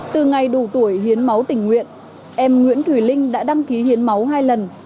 từ ngày đủ tuổi hiến máu tình nguyện em nguyễn thùy linh đã đăng ký hiến máu hai lần